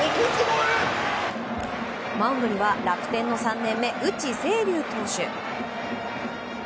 マウンドには楽天の３年目内星龍投手。